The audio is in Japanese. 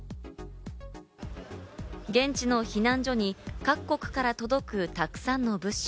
現地の避難所に各国から届く、たくさんの物資。